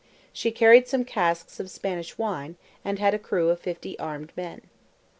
She carried some casks of Spanish wine, and had a crew of 50 armed men.